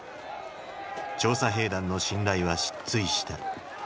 調査兵団の信頼は失墜した。